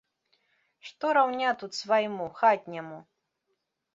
Што раўня тут свайму, хатняму?!